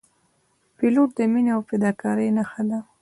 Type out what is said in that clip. پیلوټ د مینې او فداکارۍ نښه ده.